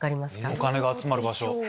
お金が集まる場所。